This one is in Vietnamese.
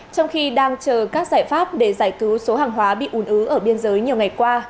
trong khi đang chờ các giải pháp để giải cứu số hàng hóa bị ùn ứ ở biên giới nhiều ngày qua